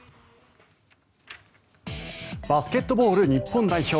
バスケットボール日本代表。